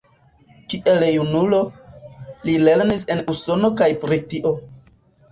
Kiel junulo, li lernis en Usono kaj Britio.